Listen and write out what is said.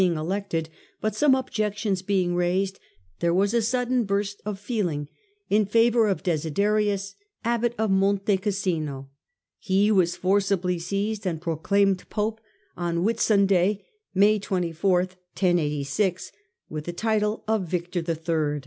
159 boing elected, but some objections being raised there was a sudden burst of feeling in favour of Desiderius, abbot of Monte Cassino: he was forcibly seized and pro claimeipppe on Whitsunday (May 24), with the title of Victor in.